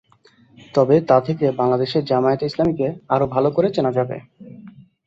তবে তা থেকে বাংলাদেশের জামায়াতে ইসলামীকে আরও ভালো করে চেনা যাবে।